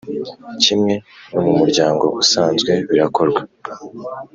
Kimwe no mu muryango usanzwe birakorwa.